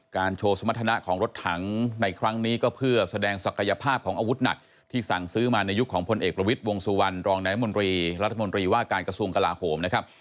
โชว์สมรรถนะของรถถังในครั้งนี้ก็เพื่อแสดงศักยภาพของอาวุธหนักที่สั่งซื้อมาในยุคของพลเอกประวิทย์วงสุวรรณรองนายมนตรีรัฐมนตรีว่าการกระทรวงกลาโหมนะครับ